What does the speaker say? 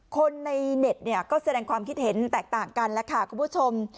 คนในเน็ตเนี่ยก็แสดงความคิดเห็นแตกต่างกันแล้วค่ะคุณผู้ชม